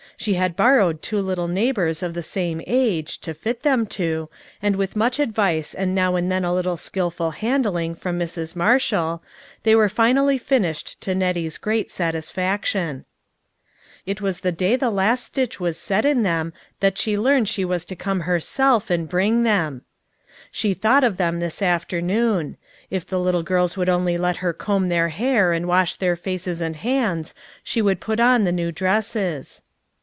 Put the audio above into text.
She had borrowed two little neighbors of the same age, to fit them to, and with much advice and now and then a little skilful handling from Mrs. Marshall, they were finally finished to Nettie's great satisfaction. 43 44 LITTLE FISHEKS: AND THEIR NETS. It was the day the last stitch was set in them that she learned she was to come herself and bring them. She thought of them this afternoon. If the little girls would only let her comb their hair and wash their faces and hands, she would put on the new dresses.